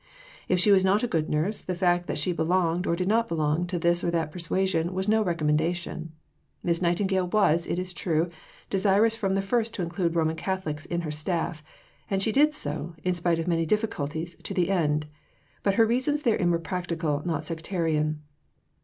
If she was not a good nurse, the fact that she belonged, or did not belong, to this or that persuasion was no recommendation. Miss Nightingale was, it is true, desirous from the first to include Roman Catholics in her staff, and she did so, in spite of many difficulties, to the end. But her reasons therein were practical, not sectarian.